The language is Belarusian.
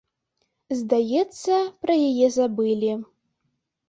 Здаецца, пра яе забылі.